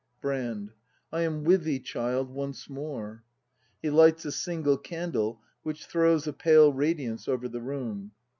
Brand, I am with thee, child, once more. [He lights a single candle, which throws a pale radiance over the room.